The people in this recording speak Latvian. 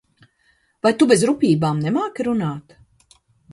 Vai Tu bez rupjībām nemāki runāt?